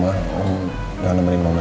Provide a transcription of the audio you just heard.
kalau ternyata tidak zeggen